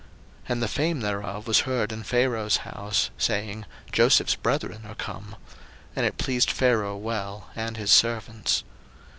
01:045:016 And the fame thereof was heard in Pharaoh's house, saying, Joseph's brethren are come: and it pleased Pharaoh well, and his servants.